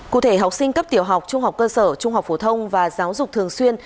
cụ thể học sinh cấp tiểu học trung học cơ sở trung học phổ thông và giáo dục thường xuyên